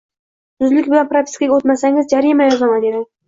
«zudlik bilan propiskaga o‘tmasangiz jarima yozaman», dedi...